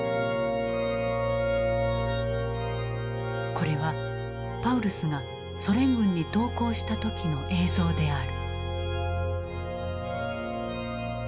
これはパウルスがソ連軍に投降した時の映像である。